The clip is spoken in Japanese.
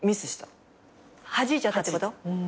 はじいちゃったってこと？